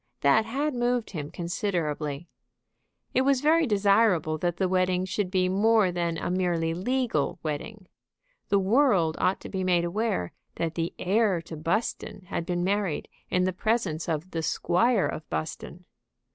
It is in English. That had moved him considerably. It was very desirable that the wedding should be more than a merely legal wedding. The world ought to be made aware that the heir to Buston had been married in the presence of the Squire of Buston.